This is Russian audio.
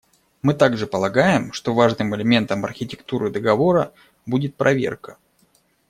Мы также полагаем, что важным элементом архитектуры договора будет проверка.